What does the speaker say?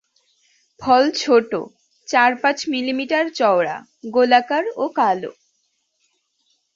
ফল ছোট, চার-পাঁচ মিলিমিটার চওড়া, গোলাকার ও কালো।